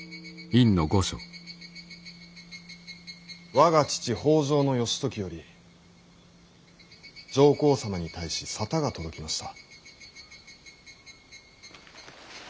我が父北条義時より上皇様に対し沙汰が届きました。